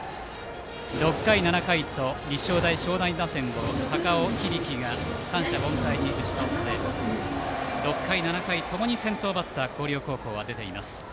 ６回、７回と立正大淞南打線を高尾響が三者凡退に打ち取って６回、７回ともに広陵高校は先頭バッターが出ています。